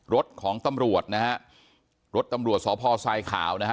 รถของตำรวจนะฮะรถตำรวจสพทรายขาวนะฮะ